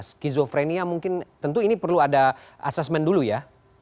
skizofrenia mungkin tentu ini perlu ada assessment dulu ya